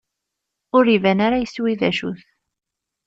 Ur iban ara yiswi d acu-t.